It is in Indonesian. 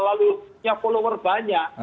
lalu punya follower banyak